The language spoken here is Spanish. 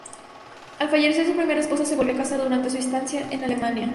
Al fallecer su primera esposa, se volvió a casar durante su estancia en Alemania.